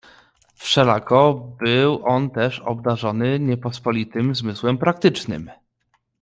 "Wszelako był on też obdarzony niepospolitym zmysłem praktycznym."